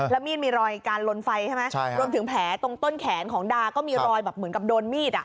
แล้วมีดมีรอยการลนไฟใช่ไหมรวมถึงแผลตรงต้นแขนของดาก็มีรอยแบบเหมือนกับโดนมีด